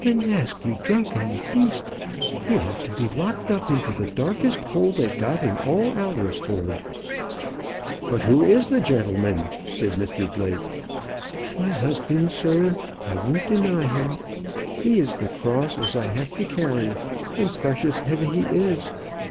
"The nasty drunken beast! he ought to be locked up into the darkest hole they've got in all Alresford." "But who is the gentleman?" said Mr Blake. "My husband, sir; I won't deny him. He is the cross as I have to carry, and precious heavy he is.